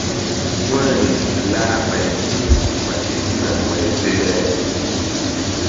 Gunri lah ɓay ye ɓa ketina ɓay fe le.